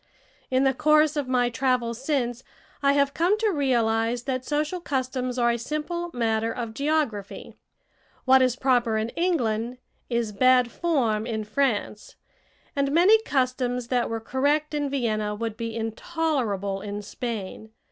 In the course of my travels since, I have come to realize that social customs are a simple matter of geography! What is proper in England is bad form in France, and many customs that were correct in Vienna would be intolerable in Spain.